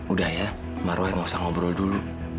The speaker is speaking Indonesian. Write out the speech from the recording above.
udah ya marwah nggak usah ngobrol dulu